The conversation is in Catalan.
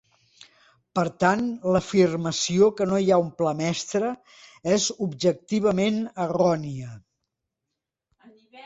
Per tant, l'afirmació que no hi ha un pla mestre és objectivament errònia.